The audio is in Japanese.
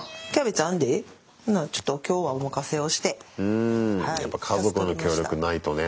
うんやっぱ家族の協力ないとね